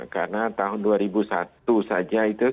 karena tahun dua ribu satu saja itu sudah terlambat